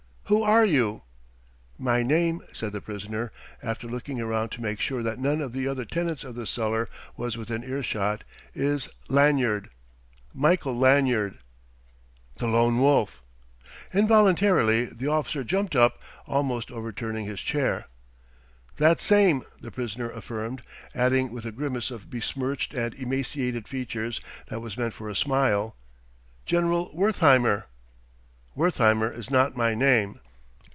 "Who are you?" "My name," said the prisoner, after looking around to make sure that none of the other tenants of the cellar was within earshot, "is Lanyard Michael Lanyard." "The Lone Wolf!" Involuntarily the officer jumped up, almost overturning his chair. "That same," the prisoner affirmed, adding with a grimace of besmirched and emaciated features that was meant for a smile "General Wertheimer." "Wertheimer is not my name."